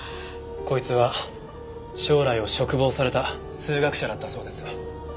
こいつは将来を嘱望された数学者だったそうです。